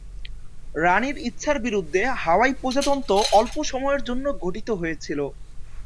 রানীর ইচ্ছার বিরুদ্ধে হাওয়াই প্রজাতন্ত্র অল্প সময়ের জন্য গঠিত হয়েছিল।